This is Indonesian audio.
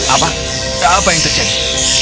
apa apa yang terjadi